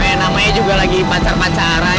kayak namanya juga lagi pacar pacaran